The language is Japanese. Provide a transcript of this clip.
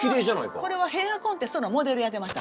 これはヘアコンテストのモデルやってました。